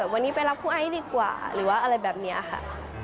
วันนี้ไปรับครูไอซ์ดีกว่าหรือว่าอะไรแบบนี้ค่ะ